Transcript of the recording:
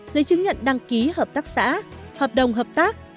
giấy chứng nhận đăng ký hợp tác xã hợp đồng hợp tác